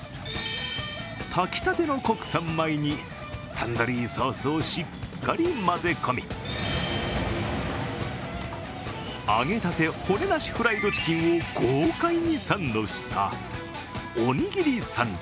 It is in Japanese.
炊きたての国産米にタンドリーソースをしっかり混ぜ混み揚げたて骨なしフライドチキンを豪快にサンドしたおにぎりサンド